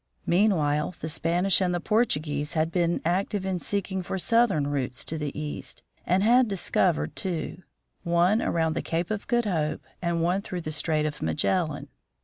Meanwhile, the Spanish and the Portuguese had been active in seeking for southern routes to the East, and had discovered two, — one around the Cape of Good Hope and one through the Strait of Magellan.